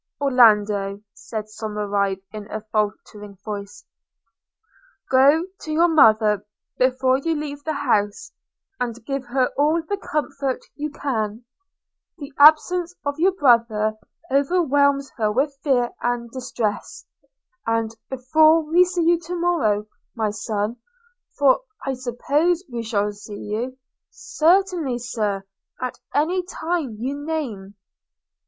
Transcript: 'Orlando!' said Somerive in a faltering voice, 'go to your mother before you leave the house, and give her all the comfort you can – the absence of your brother overwhelms her with fear and distress; and before we see you to morrow, my son – for I suppose we shall see you ...' 'Certainly, Sir! at any time you name.'